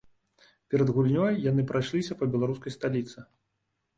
Перад гульнёй яны прайшліся па беларускай сталіцы.